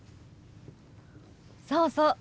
そうそう。